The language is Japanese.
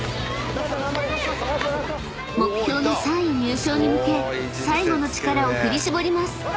［目標の３位入賞に向け最後の力を振り絞ります］